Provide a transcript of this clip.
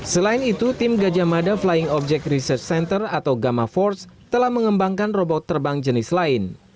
selain itu tim gajah mada flying objek research center atau gamma force telah mengembangkan robot terbang jenis lain